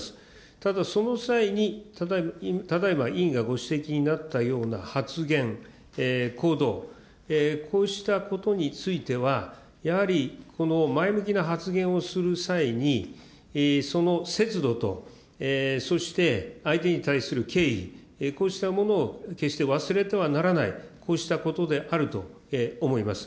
ただその際に、ただいま委員がご指摘になったような発言、行動、こうしたことについては、やはりこの前向きな発言をする際に、その節度と、そして相手に対する敬意、こうしたものを決して忘れてはならない、こうしたことであると思います。